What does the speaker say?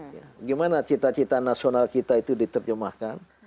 bagaimana cita cita nasional kita itu diterjemahkan